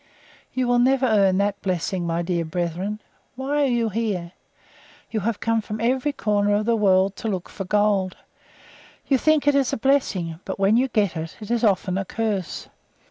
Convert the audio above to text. You will never earn that blessing, my dear brethren. Why are you here? You have come from every corner of the world to look for gold. You think it is a blessing, but when you get it, it is often a curse.